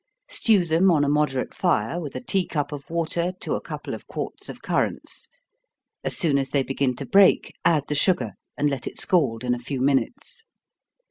Stew them on a moderate fire, with a tea cup of water to a couple of quarts of currants as soon as they begin to break, add the sugar, and let it scald in a few minutes.